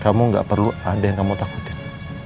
kamu gak perlu ada yang kamu takutin